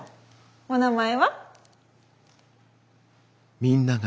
お名前は？